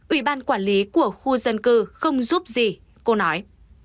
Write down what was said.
ủy ban quản lý của khu dân cư không giúp gì cô nói